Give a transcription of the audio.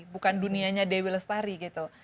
bukan dunianya dewi lestari gitu